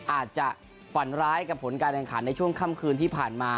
อาจจะฝันร้ายกับผลการแข่งขันในช่วงค่ำคืนที่ผ่านมา